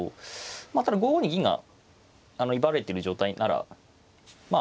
まあただ５五に銀が威張れてる状態ならまあ